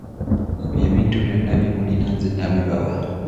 Ebyo ebintu byonna bye mulina nze nabibabwa.